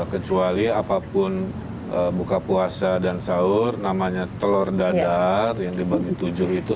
kecuali apapun buka puasa dan sahur namanya telur dadar yang dibagi tujuh itu